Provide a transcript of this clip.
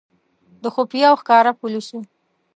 د خفیه او ښکاره پولیسو.